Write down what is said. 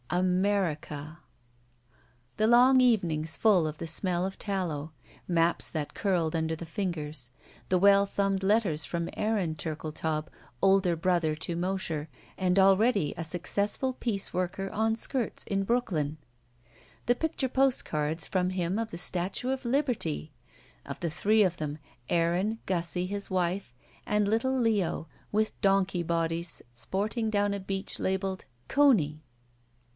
America!" 222 ROULETTE The long evenings full of the smeU of tallow; maps that curled under the fingers ; the well thumbed letters from Aaron Turldetaub, older brother to Mosher and already a successful pieceworker on skirts in Brooklyn. The picture postcards from him of the Statue of Liberty! Of the three of them, Aaron, Gussie, his wife, and Uttle Leo, with donkey bodies sporting down a beach labeled "Coney."